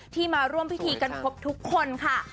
มาร่วมพิธีกันครบทุกคนค่ะ